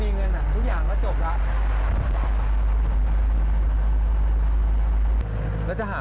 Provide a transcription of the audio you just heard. สีสีชั่วครับ